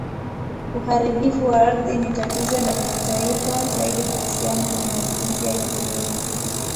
Uharibifu wa ardhi ni tatizo la kimataifa, zaidi kuhusiana na matumizi ya kilimo.